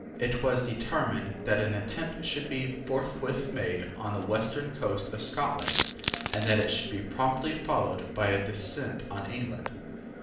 It was determined that an attempt should be forthwith made on the western coast of Scotland, and that it should be promptly followed by a descent on England.